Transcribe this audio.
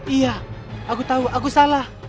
iya aku tahu aku salah